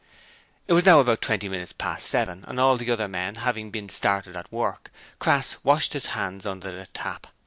It was now about twenty minutes past seven and all the other men having been started at work, Crass washed his hands under the tap.